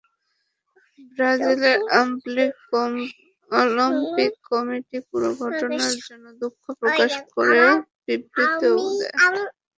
ব্রাজিলের Olympic committee পুরো ঘটনার জন্য দুঃখ প্রকাশ করে বিবৃতিও দেয়।